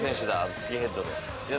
スキンヘッドの。